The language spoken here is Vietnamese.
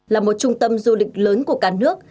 là một trung tâm du lịch lớn của cả nước